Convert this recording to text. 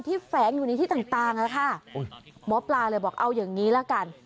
แฝงอยู่ในที่ต่างอะค่ะหมอปลาเลยบอกเอาอย่างนี้ละกัน